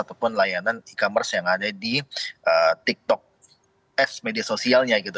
ataupun layanan e commerce yang ada di tiktok apps media sosialnya gitu